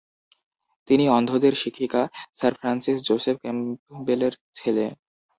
তিনি অন্ধদের শিক্ষিকা স্যার ফ্রান্সিস জোসেফ ক্যাম্পবেলের ছেলে।